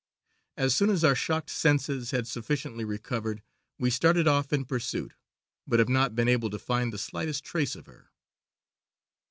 As soon as our shocked senses had sufficiently recovered we started off in pursuit, but have not been able to find the slightest trace of her."